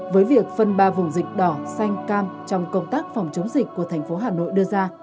với việc phân ba vùng dịch đỏ xanh cam trong công tác phòng chống dịch của thành phố hà nội đưa ra